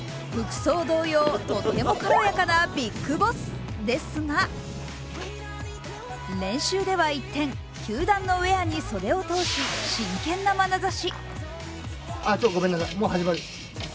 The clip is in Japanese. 服装同様、とっても軽やかなビッグボスですが、練習では一転、球団のウエアに袖を通し、真剣なまなざし。